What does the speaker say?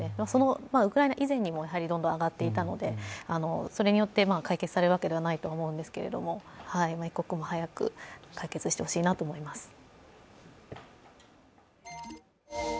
そのウクライナ以前にもどんどん上がっていたのでそれによって解決されるわけではないと思うんですけれども、一刻も早く解決してほしいなと思います。